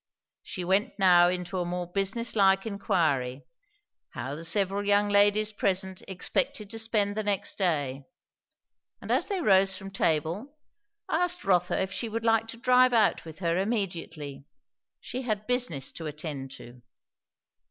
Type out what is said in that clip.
She went now into a more business like inquiry, how the several young ladies present expected to spend the next day; and as they rose from table, asked Rotha if she would like to drive out with her immediately. She had business to attend to.